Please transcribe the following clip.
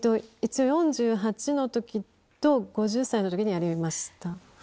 一応４８のときと、５０歳のときにやりました。